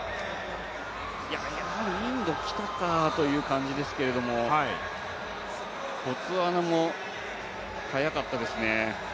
やはりインドきたかという感じですけれども、ボツワナも速かったですね。